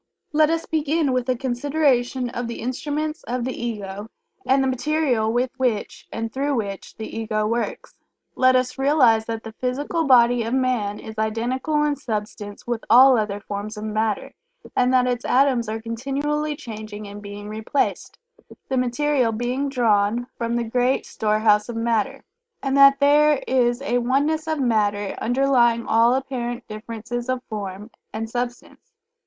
Let us begin with a consideration of the instruments of the Ego, and the material with which and through which the Ego works. Let us realize that the physical body of man is identical in substance with all other forms of matter, and that its atoms are continually changing and being replaced, the material being drawn from the great storehouse of matter, and that there is a Oneness of matter underlying all apparent differences of form and substance.